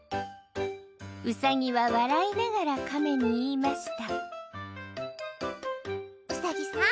うさぎは笑いながらかめに言いましたうさぎさん